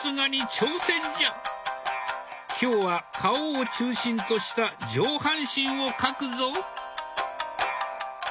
今日は顔を中心とした上半身を描くぞ。